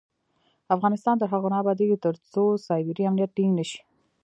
افغانستان تر هغو نه ابادیږي، ترڅو سایبري امنیت ټینګ نشي.